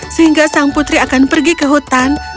sehingga sang putri akan pergi ke hutan